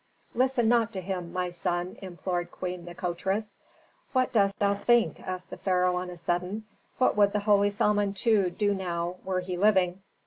"Listen not to him, my son," implored Queen Nikotris. "What dost thou think," asked the pharaoh on a sudden; "what would the holy Samentu do now were he living?"